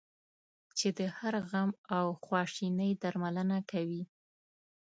چې د هر غم او خواشینی درملنه کوي.